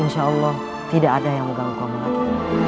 insya allah tidak ada yang mengganggu kamu lagi